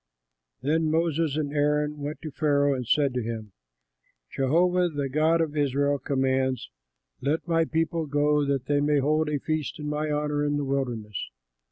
Then Moses and Aaron went to Pharaoh and said to him, "Jehovah, the God of Israel commands, 'Let my people go that they may hold a feast in my honor in the wilderness.'"